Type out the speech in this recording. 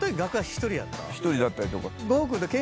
１人だったりとか。